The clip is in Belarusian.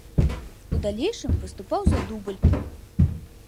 У далейшым выступаў за дубль.